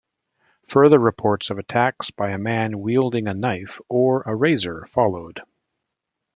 Further reports of attacks by a man wielding a knife or a razor followed.